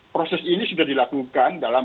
proses ini sudah dilakukan dalam